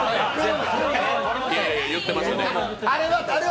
いえいえ、言ってました。